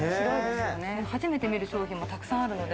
初めて見る商品も沢山あるので。